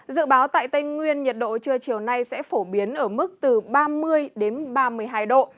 dự báo tại tây nguyên nhiệt độ trưa chiều nay sẽ phổ biến ở mức từ ba mươi đến ba mươi hai độ